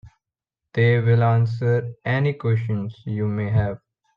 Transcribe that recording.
They will answer any questions you may have.